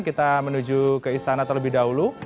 kita menuju ke istana terlebih dahulu